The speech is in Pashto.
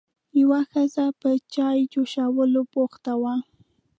یوه ښځه په چای جوشولو بوخته وه.